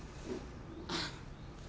あっ。